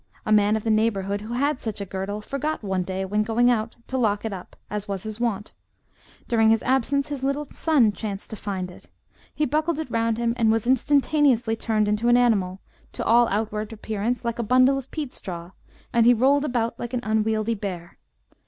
A man of the neighbourhood, who had such a girdle, forgot one day when going out to lock it up, as was his wont. During his absence, his little son chanced to find it; FOLK LORB RELATING TO WERE WOLVES. 118 he buckled it round him, and was instantaneously turned intd an animal, to all outward appearance like a bundle of peat straw, and he rolled about like an unwieldy bear.